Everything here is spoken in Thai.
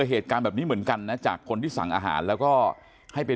เหตุการณ์แบบนี้เหมือนกันนะจากคนที่สั่งอาหารแล้วก็ให้ไป